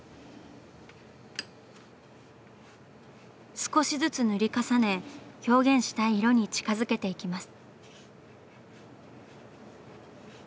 少しずつ塗り重ね表現したい色に近づけていきます。